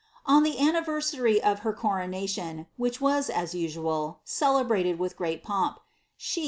* On llie anniversary of her coro nation, which vi^i, as usual, celebiated wiih ^reat pomp, she.